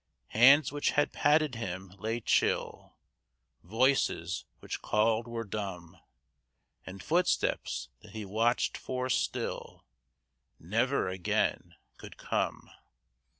Hands which had patted him lay chill, Voices which called were dumb, And footsteps that he watched for still Never again could come.